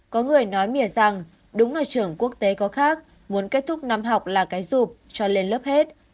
có người nói mỉa rằng đúng là trường quốc tế có khác muốn kết thúc năm học là cái dịp cho lên lớp hết